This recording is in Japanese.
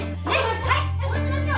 はいそうしましょう！